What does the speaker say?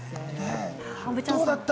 どうだった？